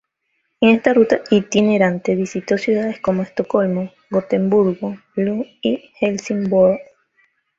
En esta ruta itinerante visitó ciudades como Estocolmo, Gotemburgo, Lund y Helsingborg.